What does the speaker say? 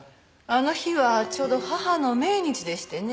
あの日はちょうど母の命日でしてね。